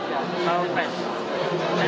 ya kalau fresh